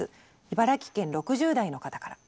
茨城県６０代の方から。